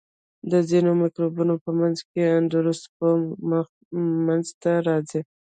د ځینو مکروبونو په منځ کې اندوسپور منځته راځي.